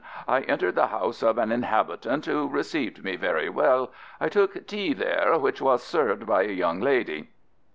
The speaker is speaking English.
I entered the house of an inhabitant, who received me very well; I took tea there, which was served by a young lady."